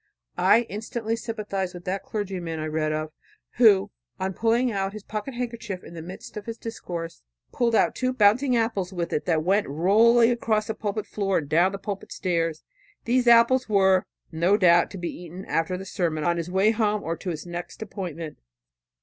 I instantly sympathized with that clergyman I read of, who on pulling out his pocket handkerchief in the midst of his discourse, pulled out two bouncing apples with it that went rolling across the pulpit floor and down the pulpit stairs. These apples were, no doubt, to be eaten after the sermon on his way home, or to his next appointment.